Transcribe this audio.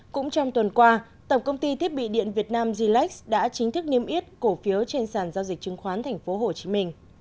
cũng trong tuần qua tổng công ty thiết bị điện việt nam g lex đã chính thức niêm yết cổ phiếu trên sàn giao dịch chứng khoán tp hcm